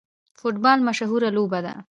فوټبال مشهوره لوبه ده